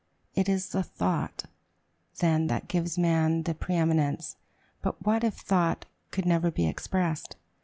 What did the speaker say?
It is thought, then, that gives man the preëminence. But what if thought could never be expressed?